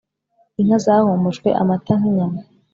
Inka zahumujwe amata nk' inyama